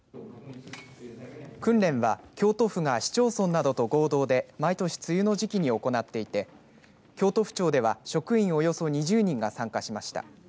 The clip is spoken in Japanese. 訓練は、京都府が市町村などと合同で毎年、梅雨の時期に行っていて京都府庁では職員およそ２０人が参加しました。